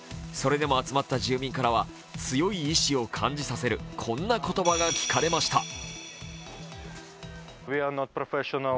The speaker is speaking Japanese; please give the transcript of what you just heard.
それでも集まった住民からは強い意思を感じさせるこんな言葉が聞かれました。